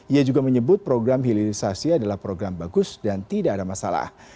ia juga menyebut program hilirisasi adalah program bagus dan tidak ada masalah